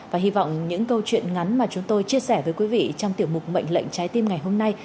và hy vọng những câu chuyện ngắn mà chúng tôi chia sẻ với quý vị trong tiểu mục mệnh lệnh trái tim ngày hôm nay